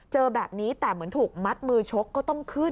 เจอแบบนี้แต่เหมือนถูกมัดมือชกก็ต้องขึ้น